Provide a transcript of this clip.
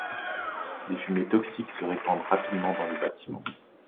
Des fumées toxiques se répandent rapidement dans le bâtiment.